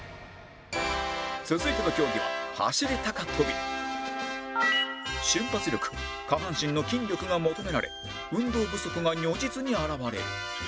続いての競技は瞬発力下半身の筋力が求められ運動不足が如実に表れる